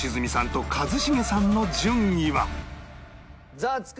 ザワつく！